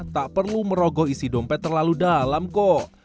tak perlu merogoh isi dompet terlalu dalam kok